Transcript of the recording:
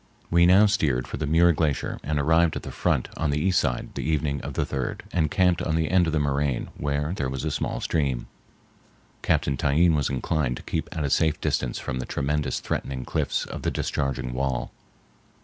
We now steered for the Muir Glacier and arrived at the front on the east side the evening of the third, and camped on the end of the moraine, where there was a small stream. Captain Tyeen was inclined to keep at a safe distance from the tremendous threatening cliffs of the discharging wall.